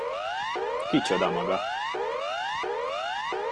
Kicsoda maga?